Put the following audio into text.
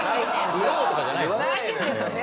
売ろうとかじゃないんですね。